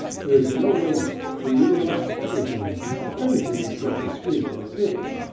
There's no waste; we utilise everything—everything except the squeak of the pigs.